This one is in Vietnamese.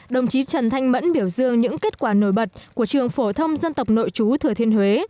đồng chí trần thanh mẫn biểu dương những kết quả nổi bật của trường phổ thông dân tộc nội chú thừa thiên huế